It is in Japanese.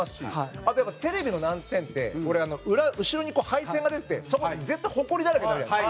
あと、テレビの難点って後ろに配線が出てそこ、絶対、ホコリだらけになるじゃないですか。